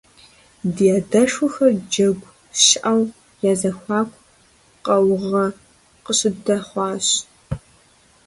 Ди адэшхуэхэр джэгу щыӀэу я зэхуаку къаугъэ къыщыдэхъуащ.